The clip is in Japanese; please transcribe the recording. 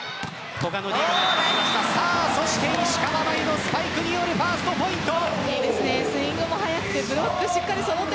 そして石川真佑のスパイクによるファーストポイント。